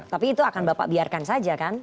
tapi itu akan bapak biarkan saja kan